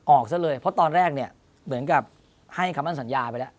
ออกซะเลยเพราะตอนแรกเหมือนกับให้คำสัญญาไปแล้ว